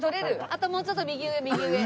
あともうちょっと右上右上。